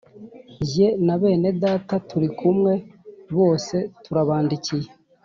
jye na bene Data turi kumwe bose turabandikiye